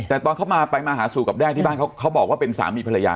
แต่ตอนเขามาไปมาหาสู่กับแด้ที่บ้านเขาบอกว่าเป็นสามีภรรยา